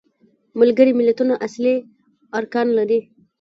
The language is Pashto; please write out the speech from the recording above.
ملګري ملتونه اصلي ارکان لري.